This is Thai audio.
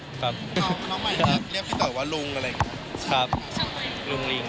น้องใหม่เรียกเต๋อว่าลุงอะไรอย่างนี้ครับ